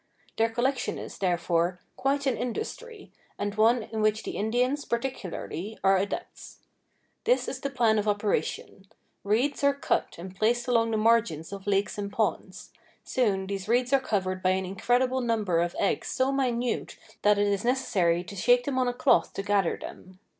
Their collection is, therefore, quite an industry, and one in which the Indians, particularly, are adepts. This is the plan of operation: Reeds are cut and placed along the margins of lakes and ponds. Soon these reeds are covered by an incredible number of eggs so minute that it is necessary to shake them on a cloth to gather them.